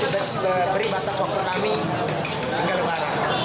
beri batas waktu kami hingga kebarang